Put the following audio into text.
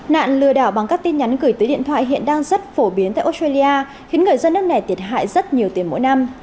nạn lừa đảo bằng các tin nhắn gửi tới điện thoại hiện đang rất phổ biến tại australia khiến người dân nước này thiệt hại rất nhiều tiền mỗi năm